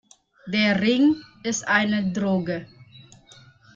Der Ring ist eine Droge.